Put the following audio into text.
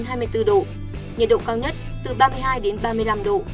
nhiệt độ cao nhất từ ba mươi hai đến ba mươi năm độ